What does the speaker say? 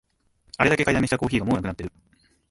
あれだけ買いだめしたコーヒーがもうなくなってる